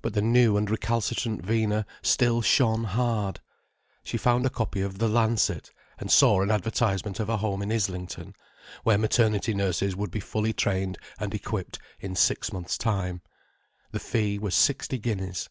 But the new and recalcitrant Vina still shone hard. She found a copy of The Lancet, and saw an advertisement of a home in Islington where maternity nurses would be fully trained and equipped in six months' time. The fee was sixty guineas.